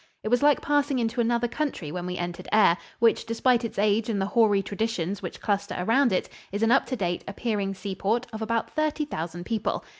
It was like passing into another country when we entered Ayr, which, despite its age and the hoary traditions which cluster around it, is an up to date appearing seaport of about thirty thousand people.